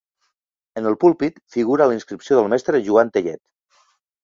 En el púlpit figura la inscripció del mestre Joan Tellet.